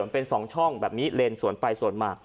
เป็น๒ช่องแบบนี้เลนสวนไปสวนมา